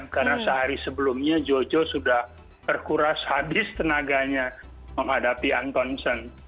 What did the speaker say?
karena sehari sebelumnya jojo sudah terkuras habis tenaganya menghadapi anton sen